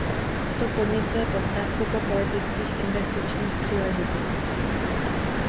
To podněcuje poptávku po politických investičních příležitostech.